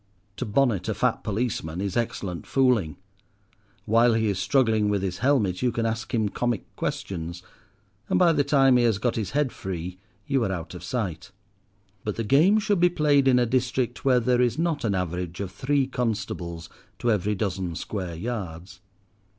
To bonnet a fat policeman is excellent fooling. While he is struggling with his helmet you can ask him comic questions, and by the time he has got his head free you are out of sight. But the game should be played in a district where there is not an average of three constables to every dozen square yards.